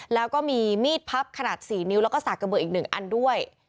แล้วก็มีมีดพับขนาดสี่นิ้วแล้วก็สากเบลออีกหนึ่งอันด้วย